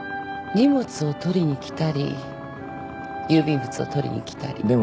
荷物を取りに来たり郵便物を取りに来たり。